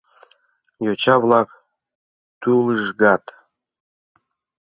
Йоча-влак тӱлыжгат: